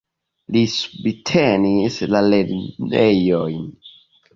Li subtenis la lernejojn.